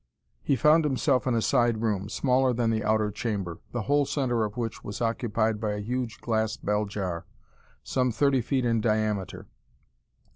He found himself in a side room, smaller than the outer chamber, the whole center of which was occupied by a huge glass bell jar, some thirty feet in diameter.